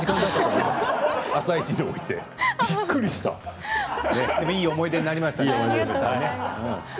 いい思い出になりますけど。